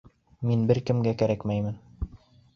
Мин бер кемгә кәрәкмәймен.